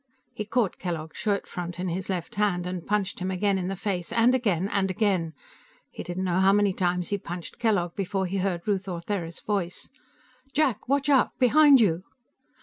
He caught Kellogg's shirt front in his left hand, and punched him again in the face, and again, and again. He didn't know how many times he punched Kellogg before he heard Ruth Ortheris' voice: "Jack! Watch out! Behind you!"